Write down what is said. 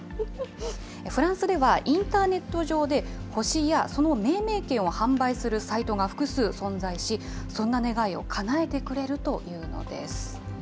フランスではインターネット上で、星や、その命名権を販売するサイトが複数存在し、そんな願いをかなえてくれるというのです。